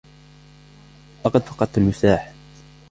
لقد فقدتُ المفتاح